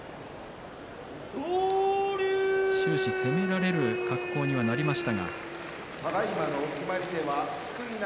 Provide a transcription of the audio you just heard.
終始攻められる格好にはなりましたが。